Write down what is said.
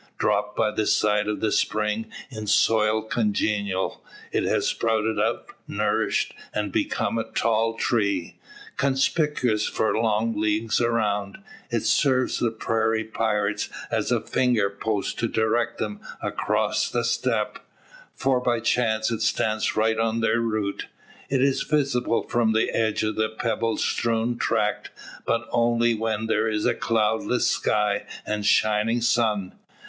Dropped by the side of the spring in soil congenial, it has sprouted up, nourished, and become a tall tree. Conspicuous for long leagues around, it serves the prairie pirates as a finger post to direct them across the steppe; for by chance it stands right on their route. It is visible from the edge of the pebble strewn tract, but only when there is a cloudless sky and shining sun.